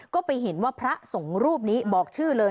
ก็ไปเห็นว่าพระสงฆ์รูปนี้บอกชื่อเลย